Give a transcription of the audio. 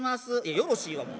「よろしいわもう。